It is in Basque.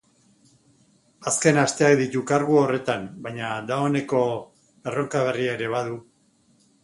Azken asteak ditu kargu horretan, baina dagoneko erronka berria ere badu.